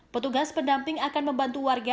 petugas pendamping akan membantu warga